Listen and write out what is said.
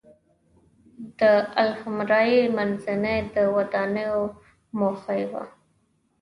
د الحمرأ منځۍ د ودانونې موخه یې وه.